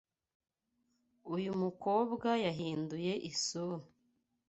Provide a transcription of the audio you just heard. Uyu mukobwa yahinduye isura.